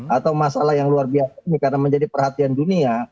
atau masalah yang luar biasa ini karena menjadi perhatian dunia